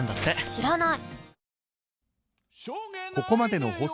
知らない！